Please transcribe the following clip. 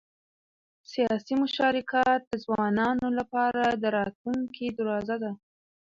سیاسي مشارکت د ځوانانو لپاره د راتلونکي دروازه ده